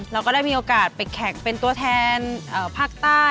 เราก็ได้มีโอกาสไปแข่งเป็นตัวแทนภาคใต้